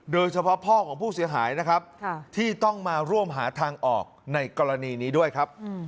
โดยเฉพาะพ่อของผู้เสียหายนะครับที่ต้องมาร่วมหาทางออกในกรณีนี้ด้วยครับ